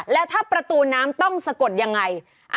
แล้วถ้าประตูน้ำต้องสะกดยังไง